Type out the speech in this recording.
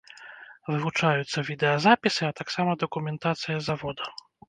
Вывучаюцца відэазапісы, а таксама дакументацыя завода.